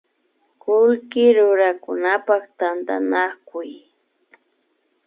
Kullki rurakunapak tantanakuy